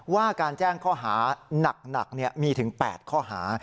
ว่าการแจ้งข้อหานักมีถึง๘ข้อหา